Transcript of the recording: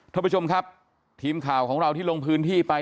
ท่านผู้ชมครับทีมข่าวของเราที่ลงพื้นที่ไป